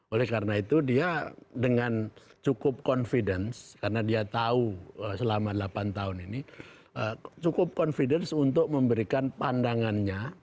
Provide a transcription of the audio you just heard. oleh karena itu dia dengan cukup confidence karena dia tahu selama delapan tahun ini cukup confidence untuk memberikan pandangannya